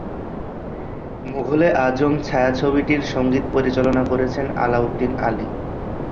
মোঘল-এ-আযম ছায়াছবিটির সঙ্গীত পরিচালনা করেছেন আলাউদ্দিন আলী।